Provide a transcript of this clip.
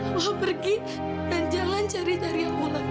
papa pergi dan jangan cari cari aku lagi